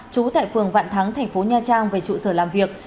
trú tại phường vạn thắng thành phố nha trang về trụ sở làm việc